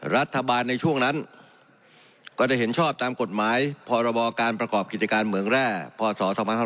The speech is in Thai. รัฐบาลในช่วงนั้นก็ได้เห็นชอบตามกฎหมายพรบการประกอบกิจการเมืองแร่พศ๒๕๖๒